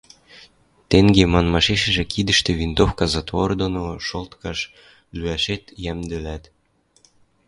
Тӹнге манмашешӹжӹ кидӹштӹ винтовка затвор доно шолткаш лӱӓшет йӓмдӹлӓт.